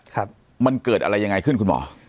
ครับมันเกิดอะไรยังไงขึ้นคุณหมอ